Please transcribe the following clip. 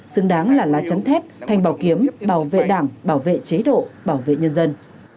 xứng đáng là lá chắn thép thành bảo kiếm bảo vệ đảng bảo vệ chế độ bảo vệ nhân dân